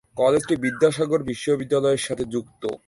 কলেজটি বিদ্যাসাগর বিশ্ববিদ্যালয়ের সাথে যুক্ত।